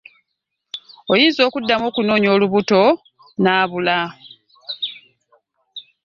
Oyinza okuddamu okunoonya olubuto n'abula.